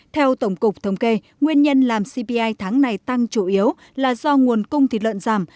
theo tổng cục thống kê nguyên nhân làm cpi tháng này tăng chủ yếu là do nguồn cung thịt lợn giảm